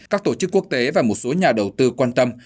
các tổ chức quốc tế và một số nhà đầu tư quan tâm